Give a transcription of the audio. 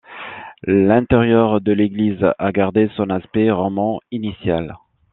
L’intérieur de l’église a gardé son aspect roman initial.